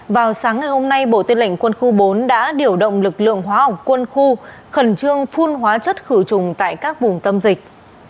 vào sáng ngày hôm nay bộ tư lệnh quân khu bốn đã điều động lực lượng hóa học quân khu khẩn trương phun hóa chất khử trùng tại các vùng tâm dịch